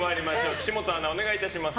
岸本アナ、お願いします。